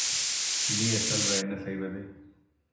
இனிய செல்வ என்ன செய்வது?